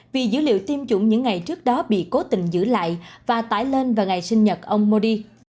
vì dữ liệu tiêm chủng những ngày trước đó bị cố tình giữ lại và tải lên vào ngày sinh nhật ông modi